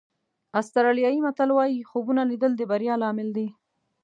آسټرالیایي متل وایي خوبونه لیدل د بریا لامل دي.